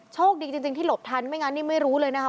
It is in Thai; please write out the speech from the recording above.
โชคดีจริงที่หลบทันไม่งั้นนี่ไม่รู้เลยนะคะ